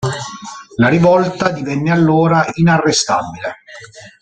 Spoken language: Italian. La rivolta divenne allora inarrestabile.